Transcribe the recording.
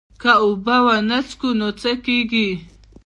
که اوبه ونه څښو نو څه کیږي